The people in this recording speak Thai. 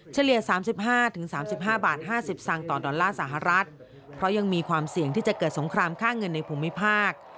เฉลี่ย๓๕๓๕บาท๕๐สตางค์ต่อดอลลาร์สหรัฐเพราะยังมีความเสี่ยงที่จะเกิดสงครามค่าเงินในภูมิภาค